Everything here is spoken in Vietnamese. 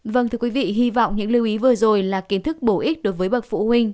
vâng thưa quý vị hy vọng những lưu ý vừa rồi là kiến thức bổ ích đối với bậc phụ huynh